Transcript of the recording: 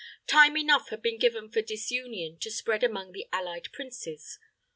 Time enough had been given for disunion to spread among the allied princes.